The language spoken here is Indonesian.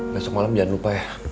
besok malam jangan lupa ya